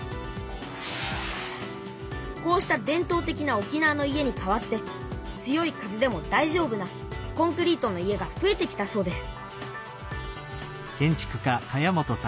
こうした伝とう的な沖縄の家に代わって強い風でもだいじょうぶなコンクリートの家がふえてきたそうです